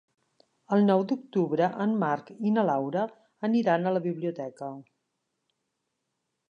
El nou d'octubre en Marc i na Laura aniran a la biblioteca.